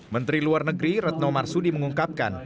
menteri luar negeri retno marsudi mengungkapkan